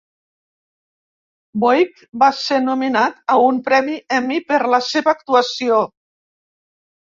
Voight va ser nominat a un premi Emmy per la seva actuació.